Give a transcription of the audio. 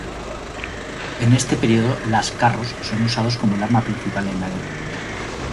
En este período las carros son usados como el arma principal en la guerra.